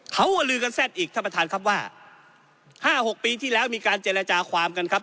เขาก็ลือกันแซ่บอีกท่านประธานครับว่า๕๖ปีที่แล้วมีการเจรจาความกันครับ